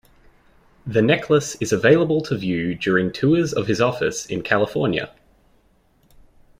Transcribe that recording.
The necklace is available to view during tours of his office in California.